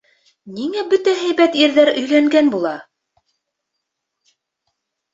Ниңә бөтә һәйбәт ирҙәр өйләнгән була?!